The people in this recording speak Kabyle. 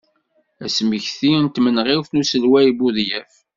Asmekti n tmenɣiwt n uselway Budyaf.